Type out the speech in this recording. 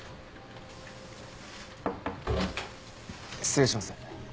失礼します。